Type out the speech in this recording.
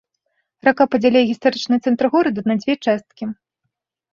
Рака падзяляе гістарычны цэнтр горада на дзве часткі.